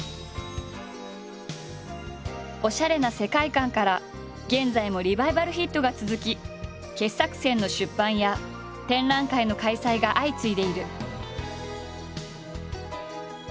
おしゃれな世界観から現在もリバイバルヒットが続き傑作選の出版や展覧会の開催が相次いでいる。